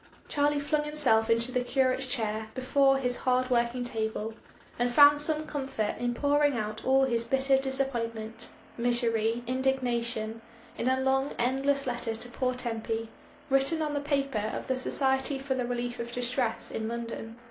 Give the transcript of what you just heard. Charlie flung himself into the curate's chair before his hard working table, and found some comfort in pouring out all his bitter disappointment, misery, indignation, in a long end less letter to poor Tempy, written on the paper of the Society for the Relief of Distress in London.